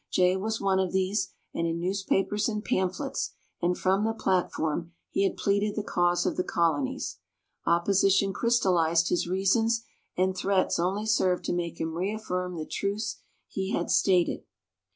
Jay was one of these; and in newspapers and pamphlets, and from the platform, he had pleaded the cause of the Colonies. Opposition crystallized his reasons, and threats only served to make him reaffirm the truths he had stated.